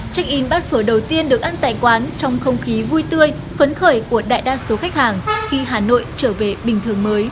check in bát phở đầu tiên được ăn tại quán trong không khí vui tươi phấn khởi của đại đa số khách hàng khi hà nội trở về bình thường mới